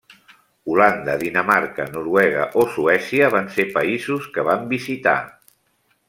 Holanda, Dinamarca, Noruega o Suècia van ser països que van visitar.